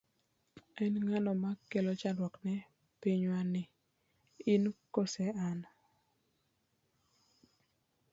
En ng'ano ma kelo chandruok ne pinywani in koso an?